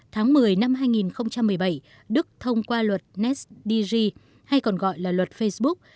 tháng một mươi năm hai nghìn một mươi bảy đức thông qua luật nesdg hay còn gọi là luật facebook